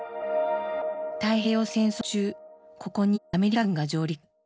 太平洋戦争中ここにアメリカ軍が上陸。